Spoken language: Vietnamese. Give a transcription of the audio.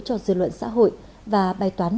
cho dư luận xã hội và bài toán